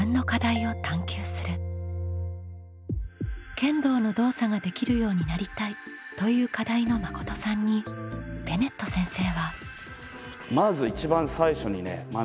「剣道の動作ができるようになりたい」という課題のまことさんにベネット先生は。